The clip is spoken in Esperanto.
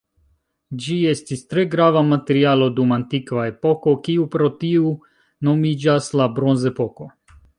Ĝi estis tre grava materialo dum antikva epoko, kiu pro tiu nomiĝas la bronzepoko.